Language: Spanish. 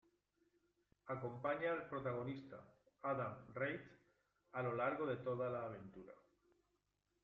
Acompaña al protagonista, Adam Reith, a lo largo de toda la aventura.